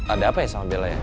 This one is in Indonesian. ada apa ya sama bella ya